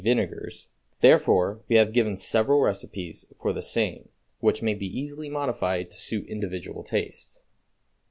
_, vinegars); therefore we have given several recipes for the same, which may be easily modified to suit individual tastes.